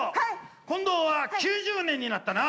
近藤は９０年になったな。